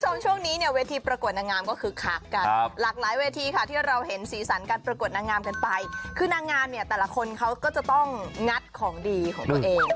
ช่วงนี้เนี่ยเวทีประกวดนางงามก็คึกคักกันหลากหลายเวทีค่ะที่เราเห็นสีสันการประกวดนางงามกันไปคือนางงามเนี่ยแต่ละคนเขาก็จะต้องงัดของดีของตัวเอง